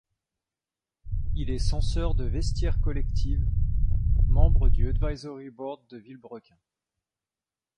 Il est censeur de Vestiaire Collective...membre du advisory board de Vilebrequin.